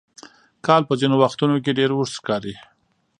کال په ځینو وختونو کې ډېر اوږد ښکاري.